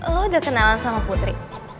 lo udah kenalan sama putri